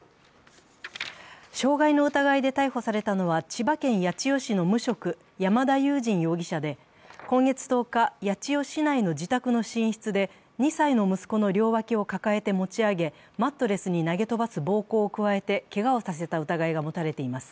傷害の疑いで逮捕されたのは、千葉県八千代市の無職・山田裕仁容疑者で、今月１０日、八千代市内の自宅の寝室で２歳の息子の両脇を抱えて持ち上げ、マットレスに投げ飛ばす暴行を加えてけがをさせた疑いが持たれています。